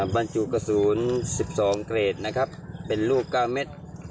บรรจุกระสูญกระสูรอยู่ที่๑๒เกรดเป็นลูกจุด๙เม็ด